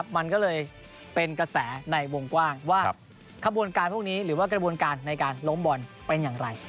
มันก็เลยเป็นกระแสในวงกว้างว่าขบวนการพวกนี้หรือว่ากระบวนการในการล้มบอลเป็นอย่างไร